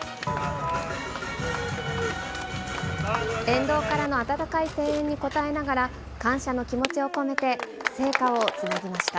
沿道からの温かい声援に応えながら、感謝の気持ちを込めて、聖火をつなぎました。